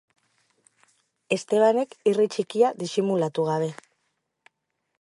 Estebanek irri txikia disimulatu gabe.